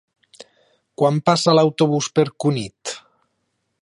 Quan passa l'autobús per Cunit?